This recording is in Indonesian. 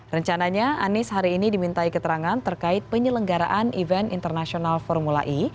rencananya anies hari ini dimintai keterangan terkait penyelenggaraan event internasional formula e